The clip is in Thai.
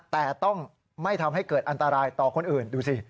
แต่ต้องไม่ทำให้เกิดอันตรายต่อคนอื่นดูสิ